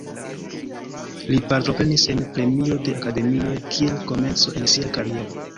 Li partoprenis en premio de akademioj kiel komenco en sia kariero.